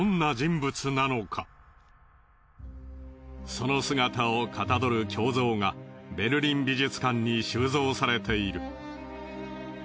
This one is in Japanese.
その姿をかたどる胸像がベルリン美術館に収蔵されている。